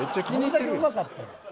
どんだけうまかったんや。